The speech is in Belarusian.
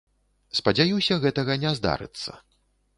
Спадзяюся, гэтага не здарыцца.